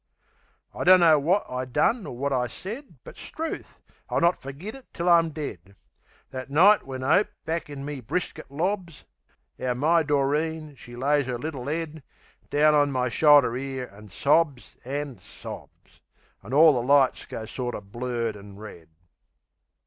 I dunno wot I done or wot I said. But 'struth! I'll not forgit it till I'm dead That night when 'ope back in me brisket lobs: 'Ow my Doreen she lays 'er little 'ead Down on me shoulder 'ere, an' sobs an' sobs; An' orl the lights goes sorter blurred an' red.